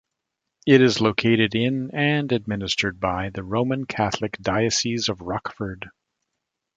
It is located in, and administered by, the Roman Catholic Diocese of Rockford.